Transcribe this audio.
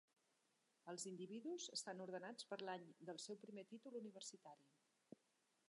Els individus estan ordenats per l'any del seu primer títol universitari.